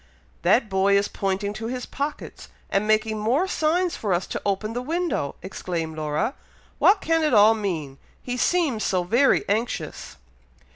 '" "That boy is pointing to his pockets, and making more signs for us to open the window!" exclaimed Laura. "What can it all mean! he seems so very anxious!"